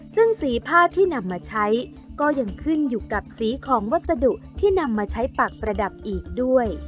ซึ่งสีผ้าที่นำมาใช้ก็ยังขึ้นอยู่กับสีของวัสดุที่นำมาใช้ปักประดับอีกด้วย